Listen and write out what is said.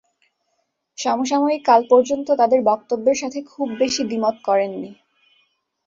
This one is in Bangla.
সমসাময়িক কাল পর্যন্ত তাদের বক্তব্যের সাথে খুব বেশি দ্বিমত করেননি।